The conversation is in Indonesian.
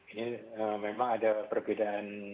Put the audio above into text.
ini memang ada perbedaan